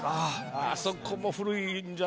あそこも古いんじゃ。